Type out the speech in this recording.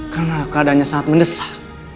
karena keadaannya sangat mendesak